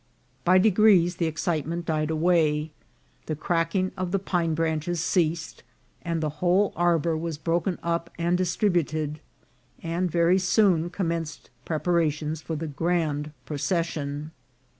By degrees the excitement died away ; the crack ing of the pine branches ceased, the whole arbour was broken up and distributed, and very soon commenced preparations for the grand procession.